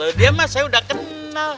kalau dia mah saya udah kenal